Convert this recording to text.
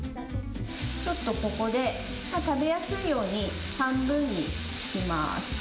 ちょっとここで食べやすいように半分にします。